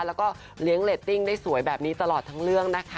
แล้วก็เลี้ยงเรตติ้งได้สวยแบบนี้ตลอดทั้งเรื่องนะคะ